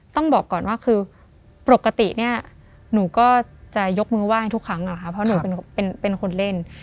ต้องบอกก่อนว่าคือปกติเนี่ยหนูก็จะยกมือไหว้ทุกครั้งนะคะเพราะหนูเป็นคนเล่น